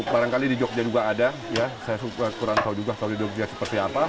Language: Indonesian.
barangkali di jogja juga ada ya saya kurang tahu juga kalau di jogja seperti apa